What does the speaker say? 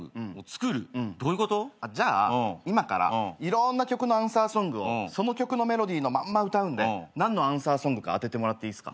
じゃあ今からいろんな曲のアンサーソングをその曲のメロディーのまんま歌うんで何のアンサーソングか当ててもらっていいっすか？